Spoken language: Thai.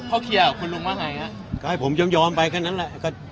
เขาเคลียร์กับคุณลุงว่าไงฮะก็ให้ผมยอมไปแค่นั้นแหละ